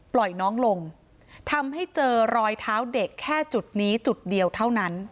ปล่อยน้องลงทำให้เจอรอยเท้าเด็กแค่จุดนี้จุดเดียวเท่านั้น